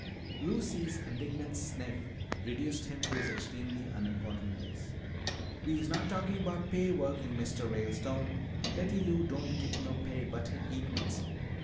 Lucy's indignant sniff reduced him to his extremely unimportant place. "We's not talkin' 'bout pay workin', Mistuh Ralestone. Letty Lou don' git no pay but her eatments.